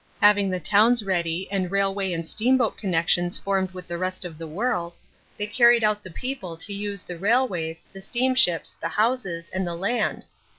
Having the towns ready and railway and steamboat connections formed with the rest of the world, they carried out the people to use the railways, the steamships, the houses, and the land.